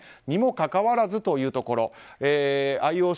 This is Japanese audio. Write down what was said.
にもかかわらずというところ。